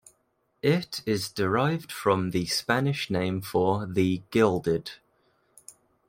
It is derived from the Spanish name for "the gilded".